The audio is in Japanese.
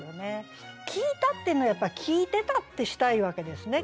「聴いた」っていうのはやっぱ「聴いてた」ってしたいわけですね。